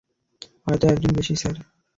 হয়তো একজন বেশি, স্যার।